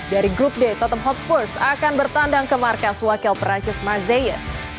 dari grup d tottenham hotspur akan bertandang ke markas wakil perancis marseille